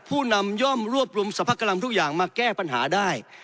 ผู้นำย่อมรวบรวมสรรพกำลังทุกอย่างมาแก้ปัญหาได้